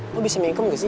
lo bisa mengikom gak sih